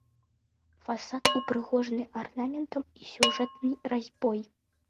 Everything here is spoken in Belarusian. Фасад упрыгожаны арнаментам і сюжэтнай разьбой.